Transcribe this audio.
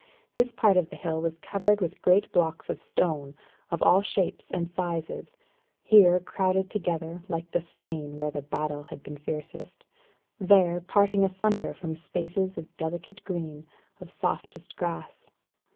This part of the hill was covered with great blocks of stone, of all shapes and sizes here crowded together, like the slain where the battle had been fiercest; there parting asunder from spaces of delicate green of softest grass.